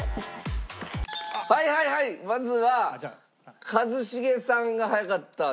はいはいはいまずは一茂さんが早かったです。